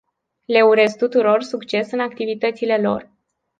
Le urez tuturor succes în activitățile lor.